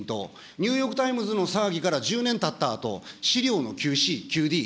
ニューヨークタイムズの騒ぎから１０年たったあと、資料の９Ｃ、９Ｄ。